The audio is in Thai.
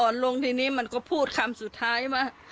ลงทีนี้มันก็พูดคำสุดท้ายว่า